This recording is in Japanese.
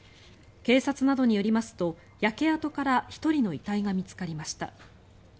警察などによりますと焼け跡から１人の遺体が見つかりました。